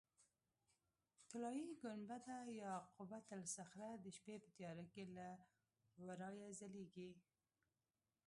طلایي ګنبده یا قبة الصخره د شپې په تیاره کې له ورایه ځلېږي.